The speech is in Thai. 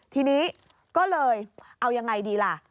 ทีนี้ก็เลยเอายังไงดีล่ะ